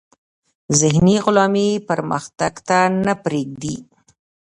ذهني غلامي پرمختګ ته نه پریږدي.